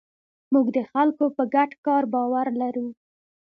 موږ د خلکو په ګډ کار باور لرو.